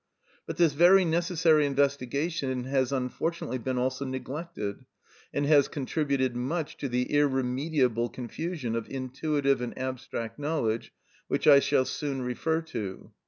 But this very necessary investigation has unfortunately been also neglected, and has contributed much to the irremediable confusion of intuitive and abstract knowledge which I shall soon refer to.